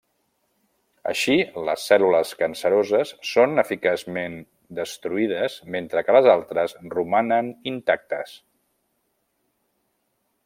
Així les cèl·lules canceroses són eficaçment destruïdes mentre que les altres romanen intactes.